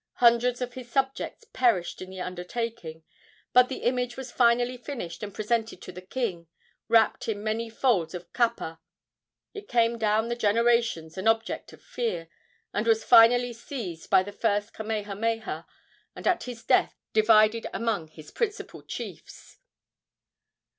Hundreds of his subjects perished in the undertaking, but the image was finally finished and presented to the king, wrapped in many folds of kapa. It came down the generations an object of fear, and was finally seized by the first Kamehameha, and at his death divided among his principal chiefs.